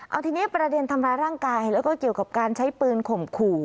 เอาทีนี้ประเด็นทำร้ายร่างกายแล้วก็เกี่ยวกับการใช้ปืนข่มขู่